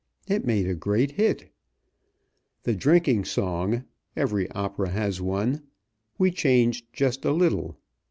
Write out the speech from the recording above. It made a great hit. The drinking song every opera has one we changed just a little.